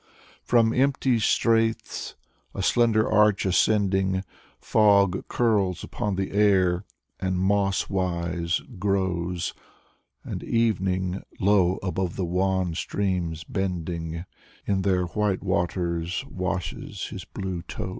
From empty straths, a slender arch ascending: Fog curls upon the air and, moss wise, grows, And evening, low above the wan streams bending, In their white waters washes his blue toes.